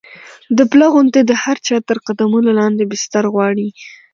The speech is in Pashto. د پله غوندې د هر چا تر قدمونو لاندې بستر غواړي.